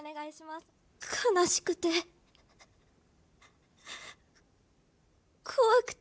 悲しくて怖くて。